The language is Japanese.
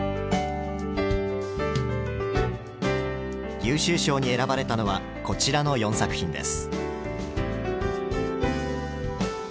優秀賞に選ばれたのはこちらの４作品です。